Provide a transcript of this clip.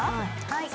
「はい」